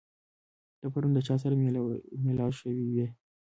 ته پرون د چا سره مېلاو شوی وې؟